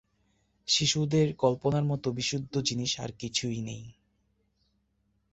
শিশুদের কল্পনার মতো বিশুদ্ধ জিনিস আর কিছুই নেই।